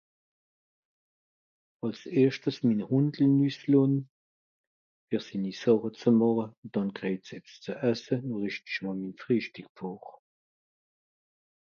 Àls erschtes minner Hùnd nüsslonn, fer sinni Sàche ze màche, dànn (...) ze esse (...)